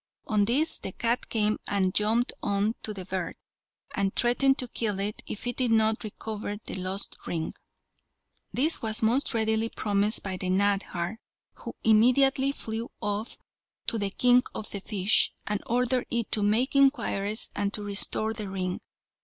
On this the cat came out and jumped on to the bird, and threatened to kill it if it did not recover the lost ring. This was most readily promised by the nadhar, who immediately flew off to the king of the fishes, and ordered it to make inquiries and to restore the ring.